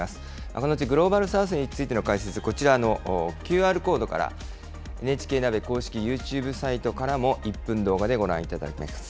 このうちグローバル・サウスについての解説、こちらのＱＲコードから、ＮＨＫＮＡＢＥ公式ユーチューブサイトからも１分動画でご覧いただけます。